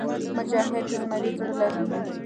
مجاهد د زمري زړه لري.